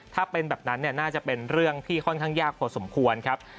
ถ้าเป็นแบบนั้นน่าจะเป็นเรื่องที่ค่อนข้างยากพอสมควรครับ